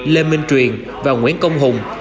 lê minh truyền và nguyễn công hùng